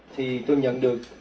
thì tôi nhận được